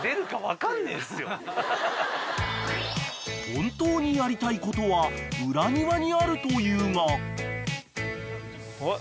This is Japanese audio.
［本当にやりたいことは裏庭にあるというが］